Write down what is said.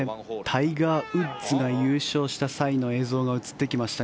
タイガー・ウッズが優勝した際の映像が映ってきました。